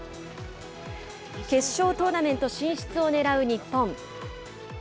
決勝トーナメント進出をねらう日本。